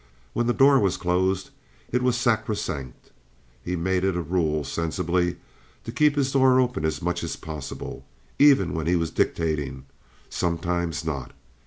When the door was closed it was sacrosanct. He made it a rule, sensibly, to keep his door open as much as possible, even when he was dictating, sometimes not.